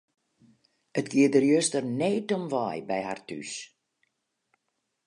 It gie der juster need om wei by harren thús.